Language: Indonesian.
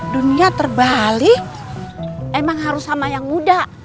dunia terbalik emang harus sama yang muda